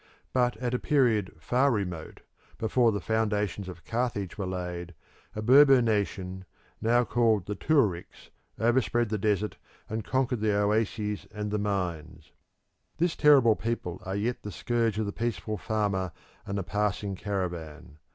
But at a period far remote, before the foundations of Carthage were laid, a Berber nation, now called the Tuaricks, overspread the desert and conquered the oases and the mines. This terrible people are yet the scourge of the peaceful farmer and the passing caravan.